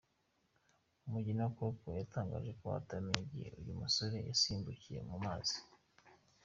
Umugeni wa Cook yatangaje ko atamenye igihe uyu musore yasimbukiye mu mazi.